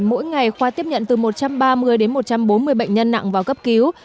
mỗi ngày khoa tiếp nhận từ một trăm ba mươi đến một trăm bốn mươi bệnh nhân nặng vào cấp cứu